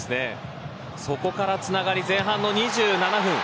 そこからつながり前半の２７分。